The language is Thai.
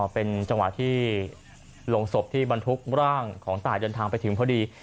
เป็นจังหวะที่โรงศพที่บรรทุกร่างของตายเดินทางไปถึงพอดี